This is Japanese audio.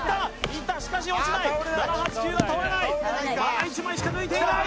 いったしかし落ちない７８９は倒れないまだ１枚しか抜いていない